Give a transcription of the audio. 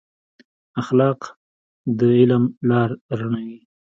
اخلاق د علم لار رڼوي.